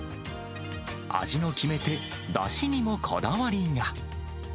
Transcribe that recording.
味の決め手、だしにもこだわりが。